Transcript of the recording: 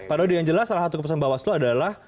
pak daudi yang jelas salah satu keputusan mbak waslo adalah